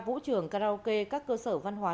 vũ trường karaoke các cơ sở văn hóa